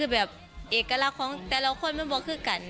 แบบเอกลักษณ์ของแต่ละคนมันบอกคือกัน